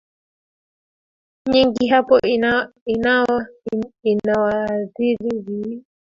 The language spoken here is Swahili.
nyinyi hapo inawa inawadhiri vipi